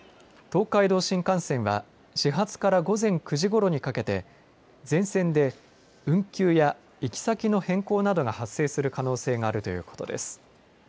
東海道新幹線は始発から午前９時ごろにかけて全線で運休や行き先の変更等が発生する可能性があるということです。